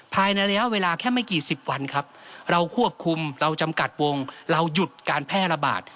ภายในระยะเวลาแค่ไม่กี่สิบวันครับเราควบคุมเราจำกัดวงเราหยุดการแพร่ระบาด